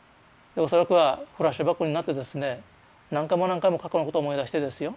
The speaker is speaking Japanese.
恐らくはフラッシュバックになってですね何回も何回も過去のことを思い出してですよ